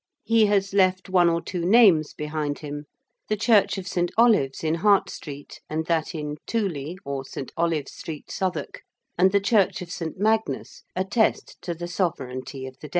He has left one or two names behind him. The church of St. Olave's in Hart Street, and that in 'Tooley,' or St. Olave's Street, Southwark, and the Church of St. Magnus, attest to the sovereignty of the Dane.